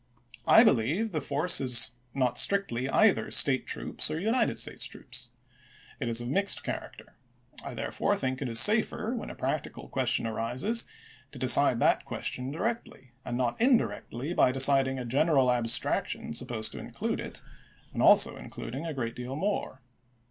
I believe the force is not strictly either " State troops " or " United States troops." It is of mixed character ; I therefore think it is safer, when a practical question arises, to decide that question directly, and not indirectly, by deciding a general abstraction supposed to include it, and also including a great deal more.